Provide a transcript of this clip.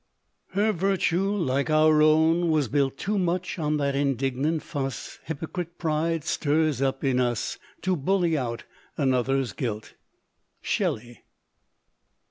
Her virtue, like our own, was built Too much on that indignant fuss, Hypocrite pride stirs up in us, To bully out another's guilt. Shelley.